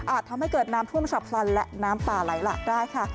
ทำให้เกิดน้ำท่วมฉับพลันและน้ำป่าไหลหลากได้ค่ะ